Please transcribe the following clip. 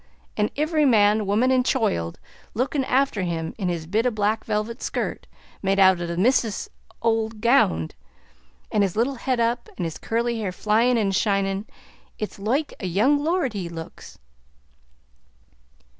An' ivvery man, woman, and choild lookin' afther him in his bit of a black velvet skirt made out of the misthress's ould gownd; an' his little head up, an' his curly hair flyin' an' shinin'. It's loike a young lord he looks."